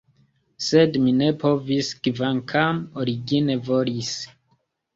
Sed mi ne povis, kvankam origine volis.